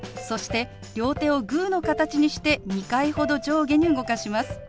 そして両手をグーの形にして２回ほど上下に動かします。